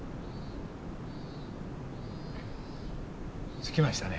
着きましたね。